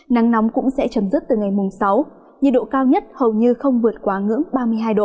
nắng nóng cũng sẽ chấm dứt từ ngày mùng sáu nhiệt độ cao nhất hầu như không vượt quá ngưỡng ba mươi hai độ